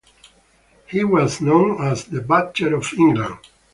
He was known as "the Butcher of England".